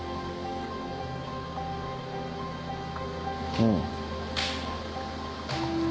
うん。